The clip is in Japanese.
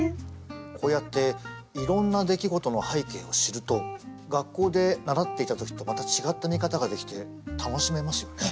こうやっていろんな出来事の背景を知ると学校で習っていた時とまた違った見方ができて楽しめますよね。